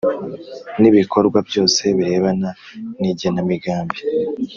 N ibikorwa byose birebana n igenamigambi